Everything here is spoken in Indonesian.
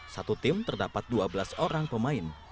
satu tim terdapat dua belas orang pemain